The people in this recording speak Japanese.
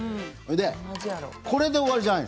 これで終わりじゃない。